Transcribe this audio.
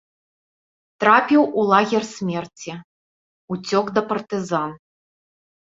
Трапіў у лагер смерці, уцёк да партызан.